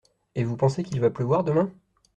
Et vous pensez qu’il va pleuvoir demain ?